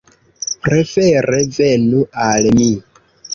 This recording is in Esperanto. Prefere venu al mi.